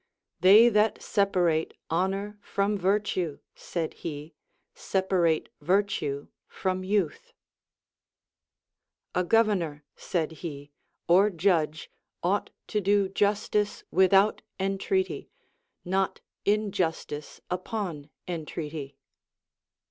They that separate honor from virtue, said he, separate virtue from youth. A governor, said he, or judge ought to do justice without entreaty, not injustice upon en treaty.